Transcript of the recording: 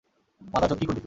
মাদারচোদ, কী করবি তুই?